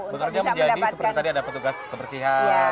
bekerja menjadi seperti tadi ada petugas kebersihan